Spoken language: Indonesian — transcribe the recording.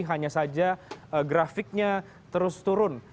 hanya saja grafiknya terus turun